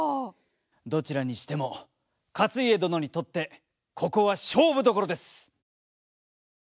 どちらにしても勝家殿にとってここは勝負どころです！